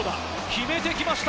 決めてきました。